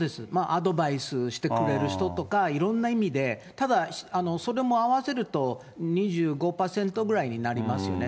アドバイスしてくれる人とか、いろんな意味で、ただ、それも合わせると、２５％ぐらいになりますよね。